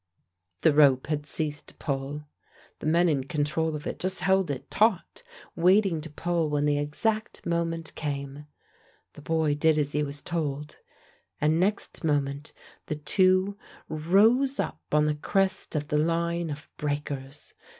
The rope had ceased to pull. The men in control of it just held it taut, waiting to pull when the exact moment came. The boy did as he was told, and next moment the two rose up on the crest of the line of breakers.